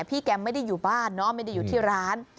พี่แกไม่ได้อยู่บ้านเนาะไม่ได้อยู่ที่ร้าน